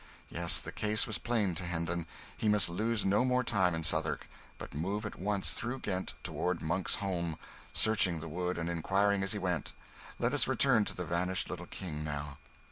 Yes, the case was plain to Hendon he must lose no more time in Southwark, but move at once through Kent, toward Monk's Holm, searching the wood and inquiring as he went. Let us return to the vanished little King now.